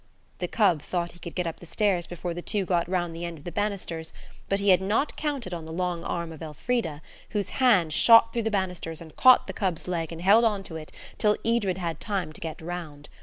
The cub thought he could get up the stairs before the two got round the end of the banisters, but he had not counted on the long arm of Elfrida, whose hand shot through the banisters and caught the cub's leg and held on to it till Edred had time to get round.